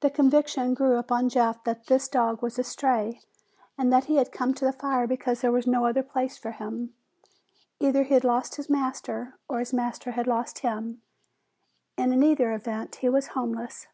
The conviction grew upon Jeff that this dog was a stray, and that he had come to the fire because there was no other place for him. Either he'd lost his master or the master had lost him, and in either event, he was homeless.